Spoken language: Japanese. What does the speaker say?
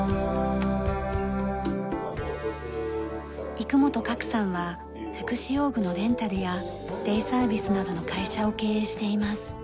生本覚さんは福祉用具のレンタルやデイサービスなどの会社を経営しています。